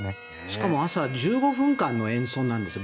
しかも朝１５分間の演奏なんです。